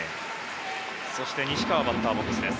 そして西川バッターボックスです。